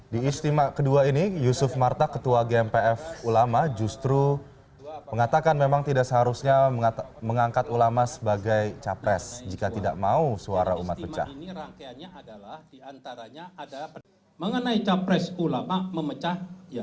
di istimewa kedua ini yusuf martak ketua gmpf ulama justru mengatakan memang tidak seharusnya mengangkat ulama sebagai capres jika tidak mau suara umat pecah